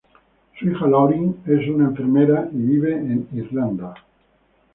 Su hija Lauren es una enfermera y vive en Irlanda.